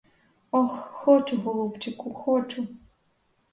Ох, хочу, голубчику, хочу!